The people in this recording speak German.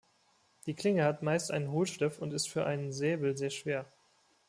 Die Klinge hat meist einen Hohlschliff und ist für einen Säbel sehr schwer.